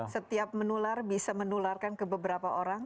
setiap menular bisa menularkan ke beberapa orang